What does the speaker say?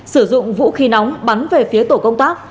sử dụng vũ khí nóng bắn về phía tổ công tác